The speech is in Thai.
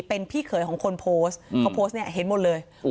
เป็นพี่เขยของคนโพสต์เขาโพสต์เนี่ยเห็นหมดเลย